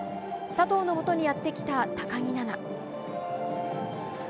佐藤のもとにやってきた高木菜那。